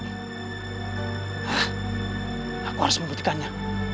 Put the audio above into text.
hah aku harus membuktikannya